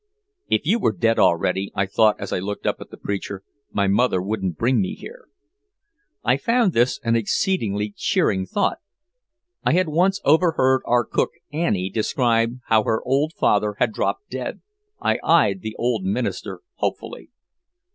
"If you were dead already," I thought as I looked up at the preacher, "my mother wouldn't bring me here." I found this an exceedingly cheering thought. I had once overheard our cook Anny describe how her old father had dropped dead. I eyed the old minister hopefully.